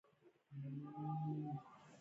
دا کوچينی ښار څه ستړيا غواړي.